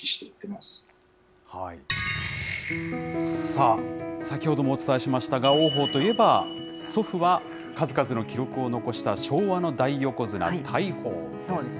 さあ、先ほどもお伝えしましたが、王鵬といえば、祖父は数々の記録を残した昭和の大横綱・大鵬です。